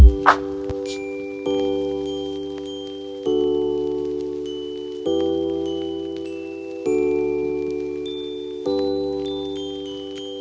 aku yakin saat kamu kembali ke dalam